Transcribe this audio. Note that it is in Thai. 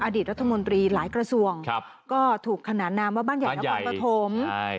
อดีตรัฐมนตรีหลายกระทรวงก็ถูกขนานนามว่าบ้านใหญ่นครปฐม